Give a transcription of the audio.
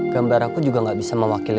gambar aku juga gak bisa mewakili